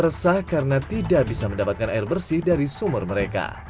resah karena tidak bisa mendapatkan air bersih dari sumur mereka